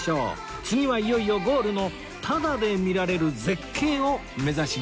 次はいよいよゴールのタダで見られる絶景を目指します